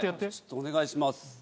お願いします。